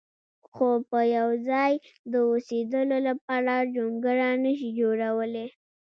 خو په یو ځای د اوسېدلو لپاره جونګړه نه شي جوړولی.